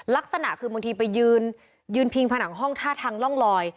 ลักษณะคือบางทีไปยืนยืนพิงผนังห้องท่าทางร่องลอย